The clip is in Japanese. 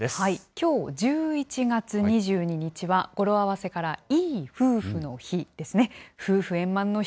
きょう１１月２２日は、語呂合わせからいい夫婦の日ですね。